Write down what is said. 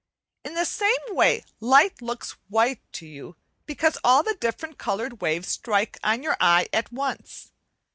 In the same way light looks white to you, because all the different coloured waves strike on your eye at once.